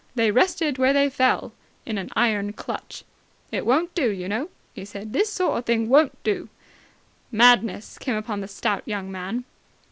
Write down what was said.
They rested where they fell in an iron clutch. "It won't do, you know," he said. "This sort o' thing won't do!" Madness came upon the stout young man.